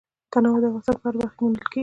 تنوع د افغانستان په هره برخه کې موندل کېږي.